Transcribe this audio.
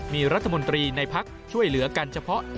มีรัฐมนตรีในพักช่วยเหลือกันเฉพาะ